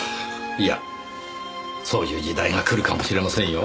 いやそういう時代がくるかもしれませんよ。